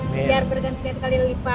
biar bergantian kali lipat